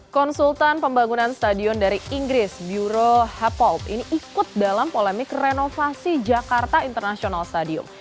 konsultan pembangunan stadion dari inggris euro hapold ini ikut dalam polemik renovasi jakarta international stadium